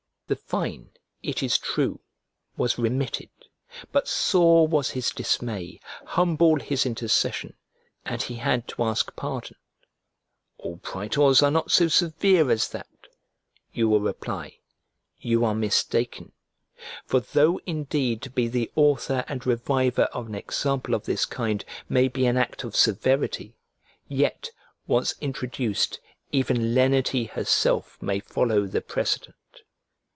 The fine, it is true, was remitted, but sore was his dismay, humble his intercession, and he had to ask pardon. "All praetors are not so severe as that," you will reply; you are mistaken for though indeed to be the author and reviver of an example of this kind may be an act of severity, yet, once introduced, even lenity herself may follow the precedent.